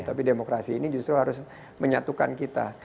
tapi demokrasi ini justru harus menyatukan kita